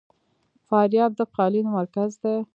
فاریاب د قالینو مرکز دی